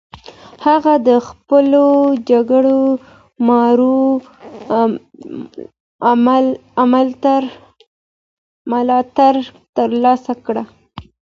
هغه د خپلو جګړه مارو ملاتړ ترلاسه کړ.